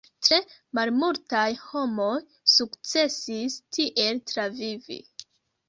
Tre malmultaj homoj sukcesis tiel travivi.